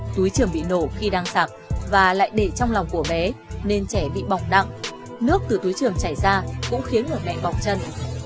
túi trường bị nổ khi đang sạc và lại để trong lòng của bé nên trẻ bị bọc nặng nước từ túi trường chảy ra cũng khiến người này bọc chân